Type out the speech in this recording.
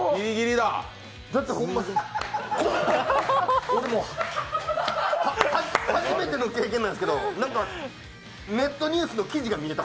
だってホンマ俺、もうはじ、初めての経験なんですけど何かネットニュースの記事が見えた。